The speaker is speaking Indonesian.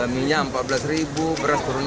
minyak rp empat belas beras berubah rp lima belas